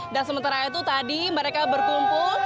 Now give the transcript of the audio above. dan sementara itu tadi mereka berkumpul